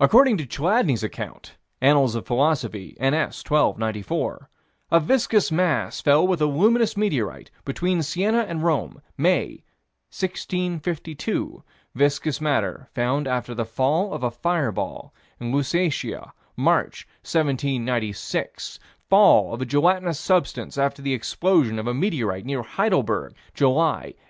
According to Chladni's account (Annals of Philosophy, n.s., 12 94) a viscous mass fell with a luminous meteorite between Siena and Rome, May, 1652; viscous matter found after the fall of a fire ball, in Lusatia, March, 1796; fall of a gelatinous substance, after the explosion of a meteorite, near Heidelberg, July, 1811.